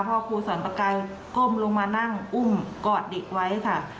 พอครูสอนประกายก้มลงมานั่งอุ้มกอดเด็กไว้ค่ะ